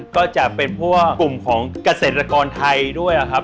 ก็จะเป็นเพราะว่ากลุ่มของเกษตรกรไทยด้วยครับ